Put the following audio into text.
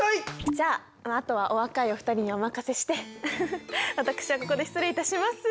じゃああとはお若いお二人にお任せしてうふふ私はここで失礼いたします。